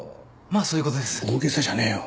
大げさじゃねえよ。